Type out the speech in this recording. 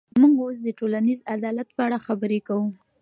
موږ اوس د ټولنیز عدالت په اړه خبرې کوو.